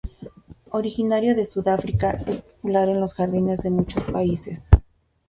Originario de Sudáfrica, es popular en los jardines de muchos países.